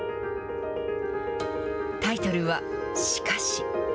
タイトルはしかし。